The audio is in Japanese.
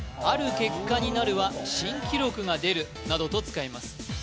ある結果になるは「新記録がでる」などと使います